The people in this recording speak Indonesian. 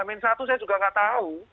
amin satu saya juga nggak tahu